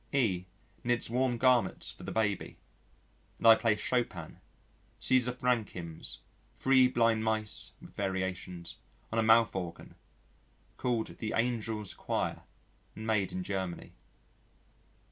E knits warm garments for the Baby, and I play Chopin, César Franck hymns, Three Blind Mice (with variations) on a mouth organ, called "The Angels' Choir," and made in Germany....